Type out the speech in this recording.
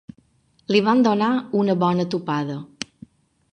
Li van donar una bona tupada.